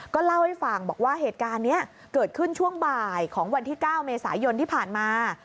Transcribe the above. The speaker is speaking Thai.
เล่าให้ฟังบอกว่าเหตุการณ์นี้เกิดขึ้นช่วงบ่ายของวันที่๙เมษายนที่ผ่านมา